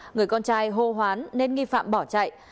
người con trai hô hoán nên nghi phạm bỏ chạy